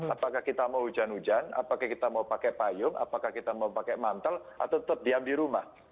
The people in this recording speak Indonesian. apakah kita mau hujan hujan apakah kita mau pakai payung apakah kita mau pakai mantel atau tetap diam di rumah